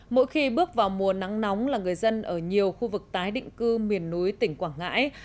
mỗi khi bước vào mùa nắng nóng là người dân ở nhiều khu vực tái định cư miền núi tỉnh quảng ngãi